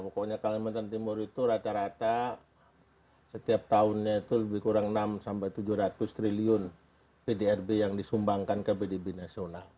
pokoknya kalimantan timur itu rata rata setiap tahunnya itu lebih kurang enam sampai tujuh ratus triliun pdrb yang disumbangkan ke pdb nasional